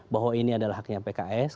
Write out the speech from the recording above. bahwa ini adalah haknya pks